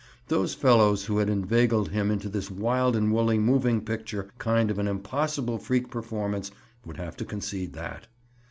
Those fellows who had inveigled him into this wild and woolly moving picture kind of an impossible freak performance would have to concede that.